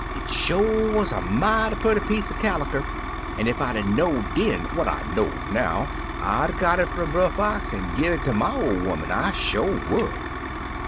It sho' wuz a mighty purty piece er caliker, an' ef I 'd 'a' know'd den what I know now, I 'd 'a' got it fum Brer Fox an' gi' it ter my ol' 'oman — I sho' would